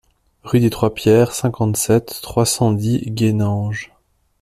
Rue des trois Pierres, cinquante-sept, trois cent dix Guénange